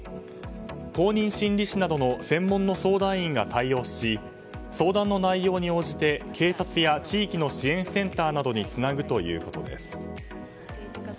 公認心理師などの専門の相談員が対応し相談の内容に応じて警察や地域の支援センターなどにつなぐということです。